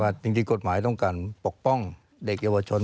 จริงกฎหมายต้องการปกป้องเด็กเยาวชน